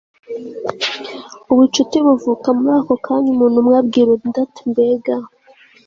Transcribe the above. ubucuti buvuka muri ako kanya umuntu umwe abwira undi ati mbega